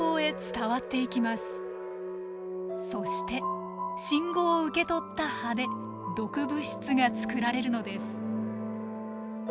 そして信号を受け取った葉で毒物質が作られるのです。